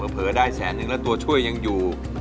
เผลอได้แสนนึงแล้วตัวช่วยยังอยู่